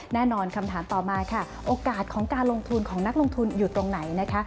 แน่นอนคำถามต่อมาค่ะโอกาสของการลงทุนของนักลงทุนอยู่ตรงไหนนะคะ